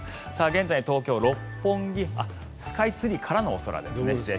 現在の東京スカイツリーからのお空です。